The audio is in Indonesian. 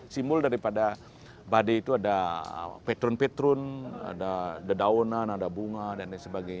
simbol daripada bade itu ada petrun petrun ada dedauna dadaunan dadaunan